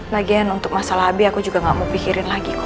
lagian untuk masalah ab aku juga gak mau pikirin lagi kok